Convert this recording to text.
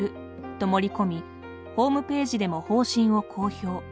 と盛り込みホームページでも方針を公表。